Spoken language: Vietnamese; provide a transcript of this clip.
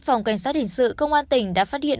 phòng cảnh sát hình sự công an tỉnh đã phát hiện